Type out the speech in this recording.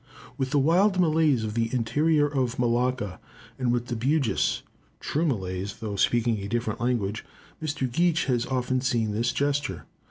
With the wild Malays of the interior of Malacca, and with the Bugis (true Malays, though speaking a different language), Mr. Geach has often seen this gesture.